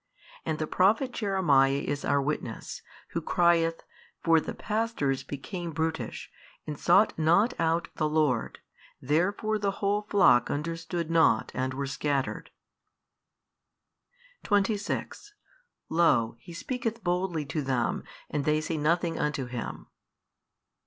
And the prophet Jeremiah is our witness, who crieth, For the pastors became brutish, and sought not out the LORD; therefore the whole flock understood not and were scattered. 26 Lo, He speaketh boldly to them, and they say nothing unto Him.